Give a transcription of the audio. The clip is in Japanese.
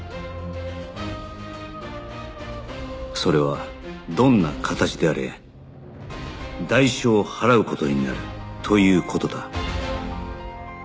それはどんな形であれ代償を払う事になるという事だ